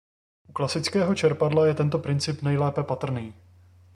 U klasického čerpadla je tento princip nejlépe patrný.